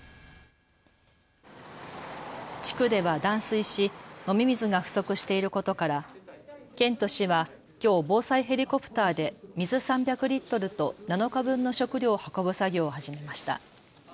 地区では断水し飲み水が不足していることから県と市はきょう防災ヘリコプターで水３００リットルと７日分の食料を運ぶ作業を始めました。